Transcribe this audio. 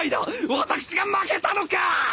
私が負けたのか！？